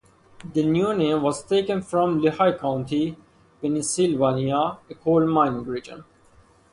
The new name was taken from Lehigh County, Pennsylvania, a coal mining region.